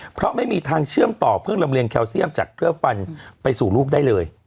เพราะไม่มีทางเชื่อมต่อเพื่อลำเลียงแคลเซียมจากเกลือฟันไปสู่ลูกได้เลย